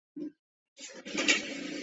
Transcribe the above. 绒毛折颚蟹为方蟹科折颚蟹属的动物。